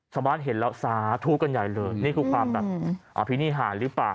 ชาวบ้านเห็นแล้วสาธุกันใหญ่เลยนี่คือความแบบอภินิหารหรือเปล่า